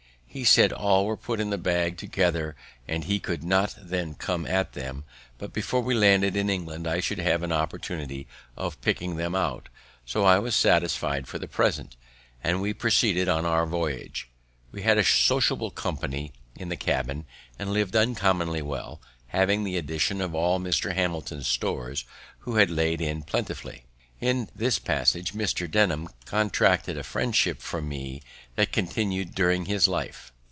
He said all were put into the bag together and he could not then come at them; but, before we landed in England, I should have an opportunity of picking them out; so I was satisfied for the present, and we proceeded on our voyage. We had a sociable company in the cabin, and lived uncommonly well, having the addition of all Mr. Hamilton's stores, who had laid in plentifully. In this passage Mr. Denham contracted a friendship for me that continued during his life.